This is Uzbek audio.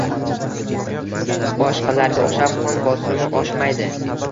boshqalarga o‘xshab qon bosimi oshmaydi